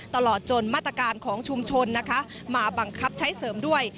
ตลอดจนมาตรการของชุมชนนะคะมาบังคับใช้เสริมด้วย